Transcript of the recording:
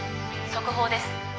速報です。